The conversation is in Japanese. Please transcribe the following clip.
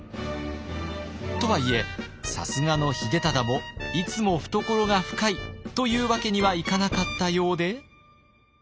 とはいえさすがの秀忠もいつも懐が深いというわけにはいかなかったようで。